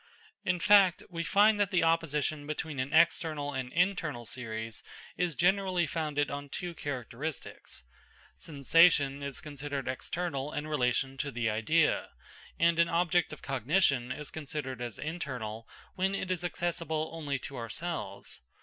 In fact, we find that the opposition between an external and an internal series is generally founded on two characteristics: sensation is considered external in relation to the idea, and an object of cognition is considered as internal when it is accessible only to ourselves.